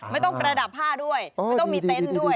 ประดับผ้าด้วยไม่ต้องมีเต็นต์ด้วย